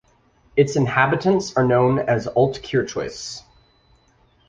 Its inhabitants are known as "Altkirchois".